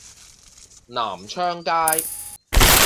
南昌街